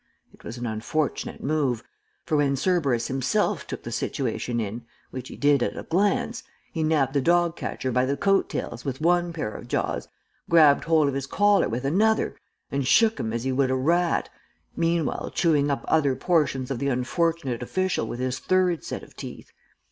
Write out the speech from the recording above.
It was an unfortunate move, for when Cerberus himself took the situation in, which he did at a glance, he nabbed the dog catcher by the coat tails with one pair of jaws, grabbed hold of his collar with another, and shook him as he would a rat, meanwhile chewing up other portions of the unfortunate official with his third set of teeth.